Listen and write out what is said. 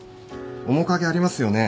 面影ありますよね。